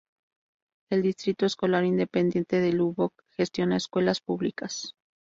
El Distrito Escolar Independiente de Lubbock gestiona escuelas públicas.